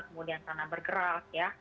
kemudian tanah bergerak ya